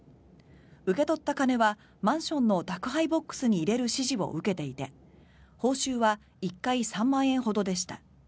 受け取った金はマンションの宅配ボックスに入れる指示を受けていて報酬は１回、３万円ほどでした。